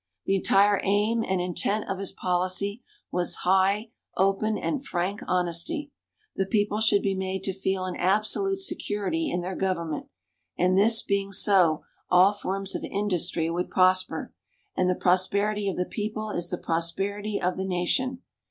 The entire aim and intent of his policy was high, open and frank honesty. The people should be made to feel an absolute security in their government, and this being so, all forms of industry would prosper, "and the prosperity of the people is the prosperity of the Nation."